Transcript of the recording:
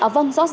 vâng rõ ràng